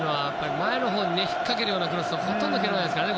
前のほうに引っかけるようなクロスをほとんど蹴らないですからね